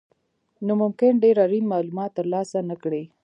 نو ممکن ډېر اړین مالومات ترلاسه نه کړئ.